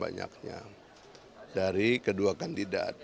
banyaknya dari kedua kandidat